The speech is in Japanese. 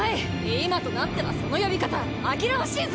今となってはその呼び方まぎらわしいぜ！